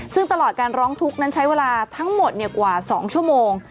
ซึ่งตลอดการร้องทุกข์นั้นใช้เวลาทั้งหมดกว่า๒ชั่วโมง